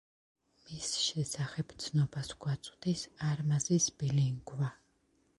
მის შესახებ ცნობას გვაწვდის არმაზის ბილინგვა.